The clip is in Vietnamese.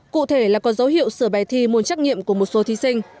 cụ thể là có dấu hiệu sửa bài thi môn trách nhiệm của một số thí sinh